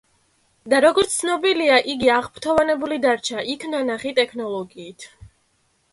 და როგორც ცნობილია, იგი აღფრთოვანებული დარჩა იქ ნანახი ტექნოლოგიით.